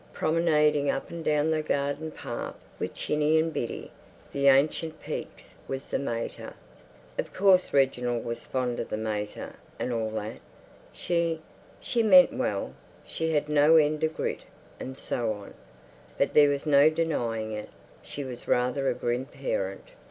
Promenading up and down the garden path with Chinny and Biddy, the ancient Pekes, was the mater. Of course Reginald was fond of the mater and all that. She—she meant well, she had no end of grit, and so on. But there was no denying it, she was rather a grim parent.